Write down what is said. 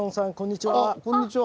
あっこんにちは。